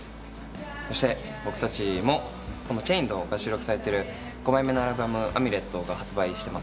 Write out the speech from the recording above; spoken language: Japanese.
そして僕たちも『Ｃｈａｉｎｅｄ』が収録されている５枚目のアルバム『Ａｍｕｌｅｔ』が発売されています。